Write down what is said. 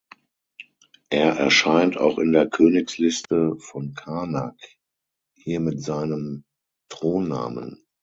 Er erscheint auch in der Königsliste von Karnak; hier mit seinem Thronnamen.